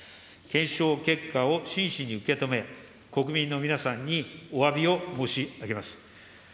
検証結果を真摯に受け止め、国民の皆さんにおわびを申し上げます。